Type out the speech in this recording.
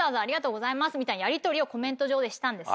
みたいなやりとりをコメント上でしたんです。